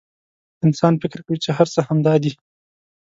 انسان فکر کوي چې هر څه همدا دي.